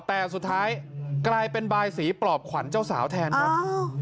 แต่สุดท้ายกลายเป็นบายสีปลอบขวัญเจ้าสาวแทนครับ